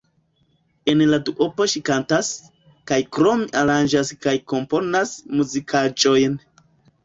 En la duopo ŝi kantas, kaj krome aranĝas kaj komponas muzikaĵojn.